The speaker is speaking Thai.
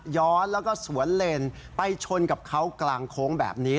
ย้อนแล้วก็สวนเลนไปชนกับเขากลางโค้งแบบนี้